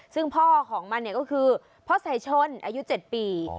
ซึ่งพ่อของมันก็คือพ่อสายชนอายุ๗ปี